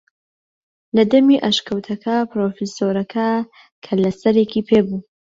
لە دەمی ئەشکەوتەکە پرۆفیسۆرەکە کەللەسەرێکی پێ بوو